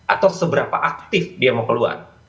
atau seberapa aktif dia mau keluar